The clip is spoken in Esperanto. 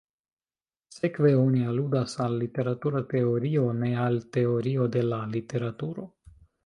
Sekve oni aludas al "literatura teorio", ne al "teorio de la literaturo".